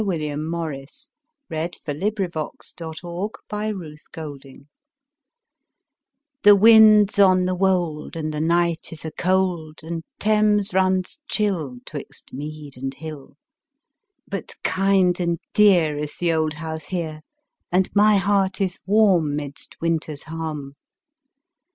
William Morris Inscription for an Old Bed THE wind's on the wold And the night is a cold, And Thames runs chill 'Twixt mead and hill. But kind and dear Is the old house here And my heart is warm Midst winter's harm.